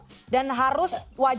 iya dan harus wajib bergabung